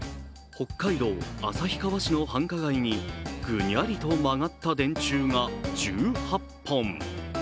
北海道旭川市の繁華街にぐにゃりと曲がった電柱が１８本。